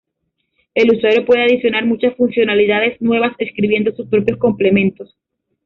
El usuario puede adicionar muchas funcionalidades nuevas escribiendo sus propios complementos.